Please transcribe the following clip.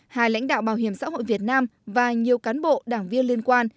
hai lãnh đạo bảo hiểm xã hội việt nam và nhiều cán bộ đảng viên liên quan